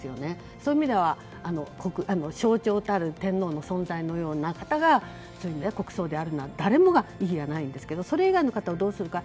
そういう意味では象徴たる天皇の存在のような方が国葬であるのは誰もが異議はないんですがそれ以外の方をどうするか。